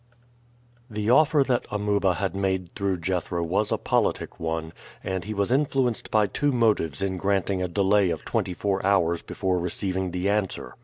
The offer that Amuba had made through Jethro was a politic one, and he was influenced by two motives in granting a delay of twenty four hours before receiving the answer.